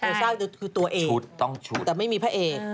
เอลซ่าคือตัวเอกแต่ไม่มีพระเอก